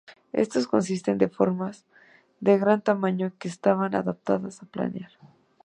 Estos consisten de formas de gran tamaño que estaban adaptadas a planear.